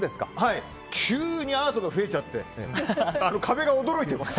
急にアートが増えちゃって壁が驚いてます。